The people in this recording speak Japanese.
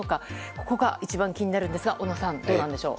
ここが一番気になるんですが小野さん、どうなんでしょう。